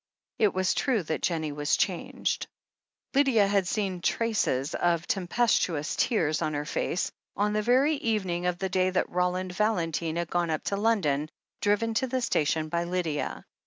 It was true that Jennie was changed. Lydia had seen traces of tempestuous tears on her face, on the very evening of the day that Roland Val entine had gone up to London, driven to the station by Lydia.